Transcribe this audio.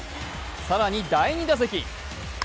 更に第２打席。